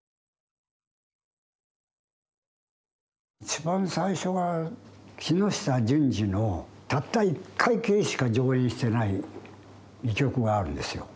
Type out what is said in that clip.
一番最初が木下順二のたった１回きりしか上演してない戯曲があるんですよ。